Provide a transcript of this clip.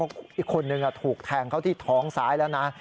อีกคนนึงถูกแทงเข้าที่ท้องซ้ายแล้วนะ